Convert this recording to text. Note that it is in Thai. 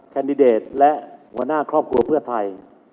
แคนดิเดตและหัวหน้าครอบครัวเพื่อไทย